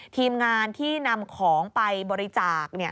ทีมงานที่นำของไปบริจาค